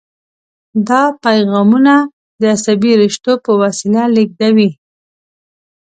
دا پیغامونه د عصبي رشتو په وسیله لیږدوي.